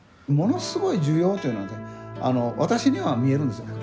ものすごい需要というのが私には見えるんです。